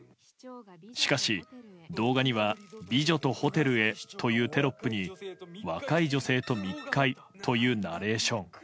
しかし、動画には美女とホテルへというテロップに、若い女性と密会というナレーション。